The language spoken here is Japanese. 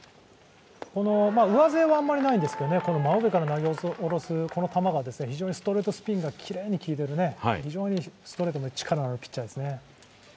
上背はあまりないんですけど、真上から投げ下ろすこの球が非常にストレートスピンがきれいに決まって非常にストレートに力があるピッチャーですね。